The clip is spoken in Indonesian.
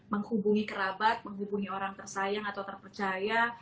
menghubungi kerabat menghubungi orang tersayang atau terpercaya